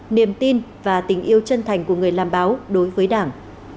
niềm tin và tình yêu chân thành của người làm báo đối với đảng